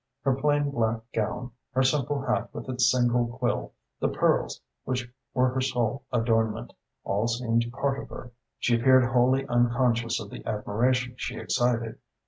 Her plain black gown, her simple hat with its single quill, the pearls which were her sole adornment, all seemed part of her. She appeared wholly unconscious of the admiration she excited.